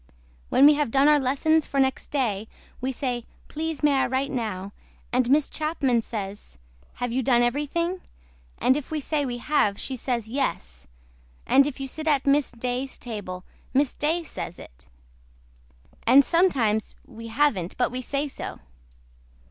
WHEN WE HAVE DONE OUR LESSONS FOR NEXT DAY WE SAY PLEASE MAY I WRITE NOW AND MISS CHAPMAN SAYS HAVE YOU DONE EVERYTHING AND IF WE SAY WE HAVE SHE SAYS YES AND IF YOU SIT AT MISS DAYS TABLE MISS DAY SAYS IT. AND SOMETIMES WE HAVEN'T BUT WE SAY SO.